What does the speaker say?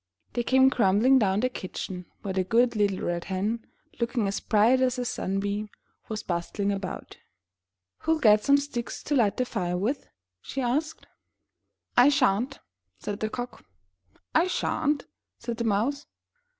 They came grumbling down to the kitchen, where the good little Red Hen, looking as bright as a sun beam, was bustling about. "Who'll get some sticks to light the fire with?" she asked. O 13 MY BOOK HOUSE 'I shan't," said the Cock. *'I shan't/' said the Mouse.